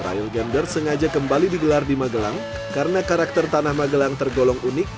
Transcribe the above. trial gender sengaja kembali digelar di magelang karena karakter tanah magelang tergolong unik